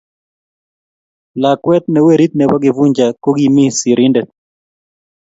Lakwet ne werit nebo Kifuja kokimii serindet